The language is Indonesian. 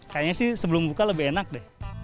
kayaknya sih sebelum buka lebih enak deh